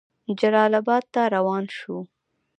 جلال آباد ته روان شو.